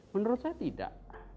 menurut saya tidak